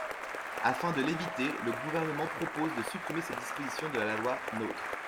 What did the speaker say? Afin de l’éviter, le Gouvernement propose de supprimer cette disposition de la loi NOTRe.